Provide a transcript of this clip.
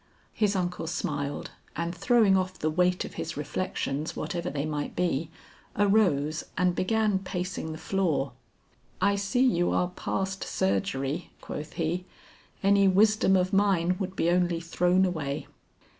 His uncle smiled and throwing off the weight of his reflections whatever they might be, arose and began pacing the floor. "I see you are past surgery," quoth he, "any wisdom of mine would be only thrown away."